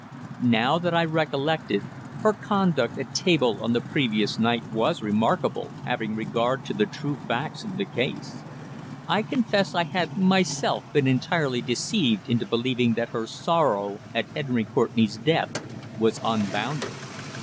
Now that I recollected, her conduct at table on the previous night was remarkable, having regard to the true facts of the case. I confess I had myself been entirely deceived into believing that her sorrow at Henry Courtenay's death was unbounded.